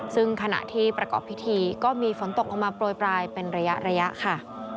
ซึ่งขณะที่ประกอบพิธีก็มีฝนตกลงมาโปรยปลายเป็นระยะค่ะ